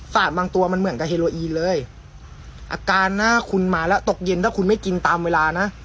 บางตัวมันเหมือนกับเฮโลอีนเลยอาการหน้าคุณมาแล้วตกเย็นถ้าคุณไม่กินตามเวลานะ